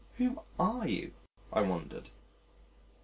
Who are you? I wondered.